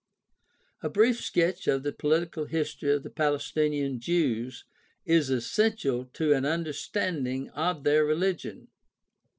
— A brief sketch of the political history of the Palestinian Jews is essential to an understanding of their religion.